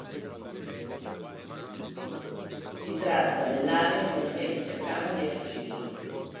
Si tratta dell'area di una vecchia cava di argilla.